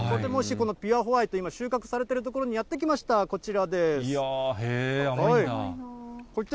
このピュアホワイト、今、収穫されている所にやって来ました、へぇ、甘いんだ。